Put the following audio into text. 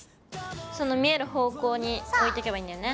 その見える方向においてけばいいんだよね。